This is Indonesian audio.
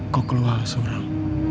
kau keluar seorang